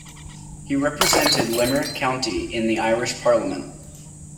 He represented Limerick County in the Irish Parliament.